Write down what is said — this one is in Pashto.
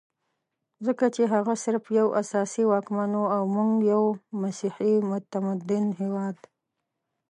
ځکه چې هغه صرف یو اسیایي واکمن وو او موږ یو مسیحي متمدن هېواد.